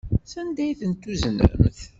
Sanda ay ten-tuznemt?